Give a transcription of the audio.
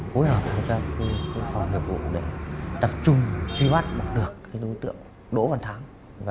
hối hợp với phòng hiệu vụ để tập trung truy bắt được đối tượng đỗ văn thắng